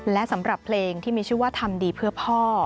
และสำหรับเพลงที่มีชื่อว่าทำดีเพื่อพ่อ